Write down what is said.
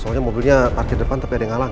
soalnya mobilnya parkir depan tapi ada yang ngalang